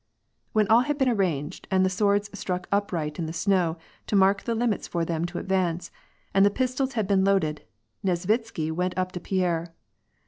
When all had been arranged, and the swords stuck upright in the snow, to mark the limits for them to advance, and the pistols had been loaded, Nesvitsky went up to Pierre.